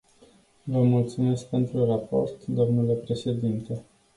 Vă mulțumesc pentru raport, dle președinte.